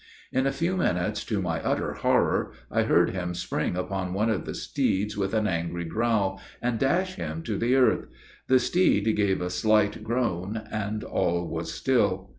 In a few minutes, to my utter horror, I heard him spring upon one of the steeds with an angry growl, and dash him to the earth; the steed gave a slight groan, and all was still.